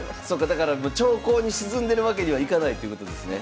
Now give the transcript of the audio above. だから長考に沈んでるわけにはいかないっていうことですね。